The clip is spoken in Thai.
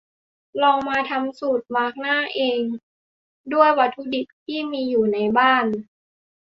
ลองมาทำสูตรมาสก์หน้าเองด้วยวัตถุดิบที่มีอยู่ในบ้าน